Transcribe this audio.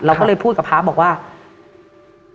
เราก็เลยพูดกับพระอาจารย์บอกว่า